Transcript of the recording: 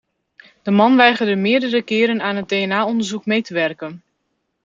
De man weigerde meerdere keren aan het DNA-onderzoek mee te werken.